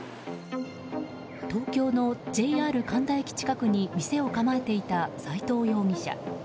東京のＪＲ神田駅近くに店を構えていた斎藤容疑者。